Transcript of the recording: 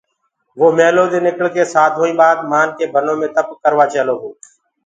وو مِيهلودي نڪݪڪي سآڌوآئيٚنٚ ٻآت مآنڪي بنو مي تپَ ڪروآ چيلوگو